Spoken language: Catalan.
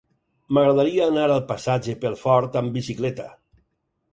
M'agradaria anar al passatge Pelfort amb bicicleta.